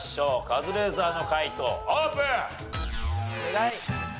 カズレーザーの解答オープン。